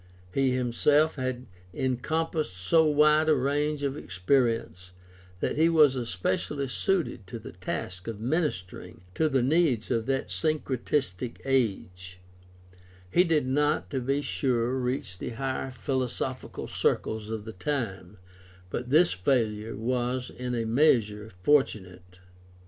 He himself had 288 GUIDE TO STUDY OF CHRISTIAN RELIGION encompassed so wide a range of experience that he was espe cially suited to the task of ministering to the needs of that syncretistic age. He did not, to be sure, reach the higher philosophical circles of the time, but this failure was in a measure fortunate.